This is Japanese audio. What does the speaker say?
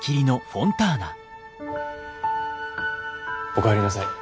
お帰りなさい。